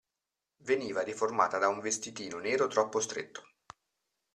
Veniva deformata da un vestitino nero troppo stretto.